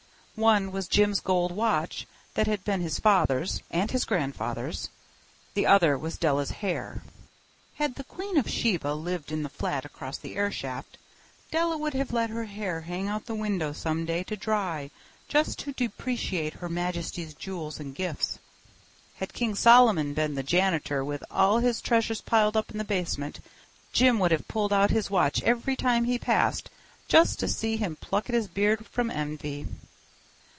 One was Jim's gold watch that had been his father's and his grandfather's. The other was Della's hair. Had the queen of Sheba lived in the flat across the airshaft, Della would have let her hair hang out the window some day to dry just to depreciate Her Majesty's jewels and gifts. Had King Solomon been the janitor, with all his treasures piled up in the basement, Jim would have pulled out his watch every time he passed, just to see him pluck at his beard from envy.